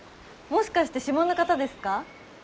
もしかして島の方ですか？